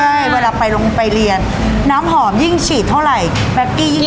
ใช่เวลาไปลงไปเรียนน้ำหอมยิ่งฉีดเท่าไหร่แป๊กกี้ยิ่ง